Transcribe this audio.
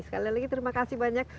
sekali lagi terima kasih banyak